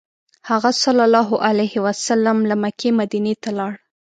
هغه ﷺ له مکې مدینې ته لاړ.